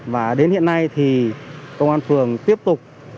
và đến hiện nay thì công an phường tiếp tục